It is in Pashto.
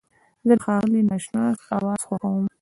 زه د ښاغلي ناشناس اواز خوښوم.